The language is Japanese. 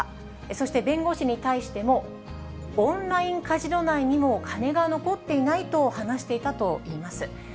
そして弁護士に対しても、オンラインカジノ内にも金が残っていないと話していたといいます。